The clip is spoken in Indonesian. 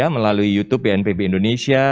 melalui youtube bnpb indonesia